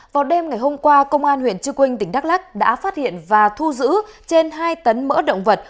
vào đêm ngày hôm qua công an huyện trư quynh tỉnh đắk lắc đã phát hiện và thu giữ trên hai tấn mỡ động vật